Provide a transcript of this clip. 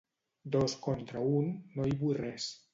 Dos contra un, no hi vull res.